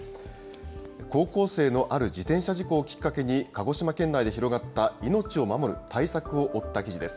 高校生のある自転車事故をきっかけに鹿児島県内で広がった命を守る対策を追った記事です。